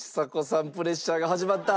プレッシャーが始まった。